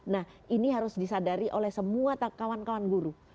nah ini harus disadari oleh semua kawan kawan guru